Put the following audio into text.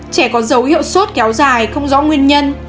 trẻ có dấu hiệu sốt kéo dài không rõ nguyên nhân